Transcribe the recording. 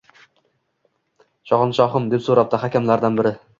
– Shohanshohim, – deb so‘rabdi hakamlardan biri